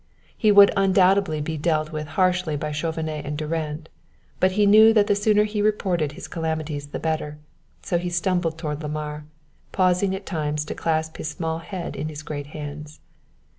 He would undoubtedly be dealt with harshly by Chauvenet and Durand, but he knew that the sooner he reported his calamities the better; so he stumbled toward Lamar, pausing at times to clasp his small head in his great hands.